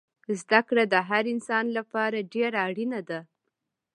زده کړه دهر انسان لپاره دیره اړینه ده